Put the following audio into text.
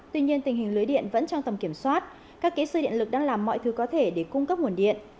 tuy nhiên tình hình lưới điện vẫn trong tầm kiểm soát các kỹ sư điện lực đang làm mọi thứ có thể để cung cấp nguồn điện